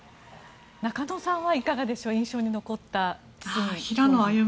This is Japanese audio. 中野さんはいかがでしょう印象に残ったのは。